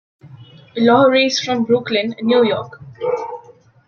Loughery is from Brooklyn, New York.